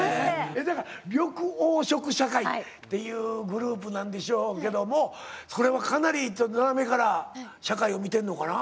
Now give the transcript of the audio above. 緑黄色社会っていうグループなんでしょうけどもそれはかなり斜めから社会を見てんのかな？